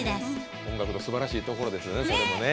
音楽のすばらしいところですよね。